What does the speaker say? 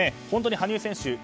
本当に羽生選手